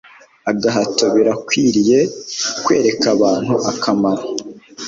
agahato Birakwiriye kwereka abantu akamaro